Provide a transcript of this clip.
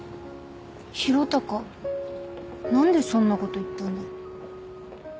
宏嵩何でそんなこと言ったんだろ。